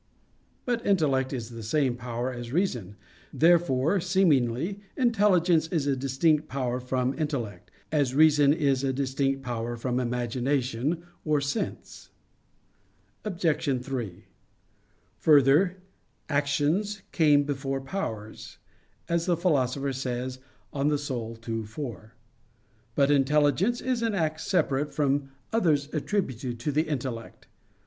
But intellect is the same power as reason. Therefore, seemingly, intelligence is a distinct power from intellect, as reason is a distinct power from imagination or sense. Obj. 3: Further, "actions came before powers," as the Philosopher says (De Anima ii, 4). But intelligence is an act separate from others attributed to the intellect.